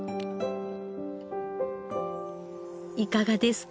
いかがですか？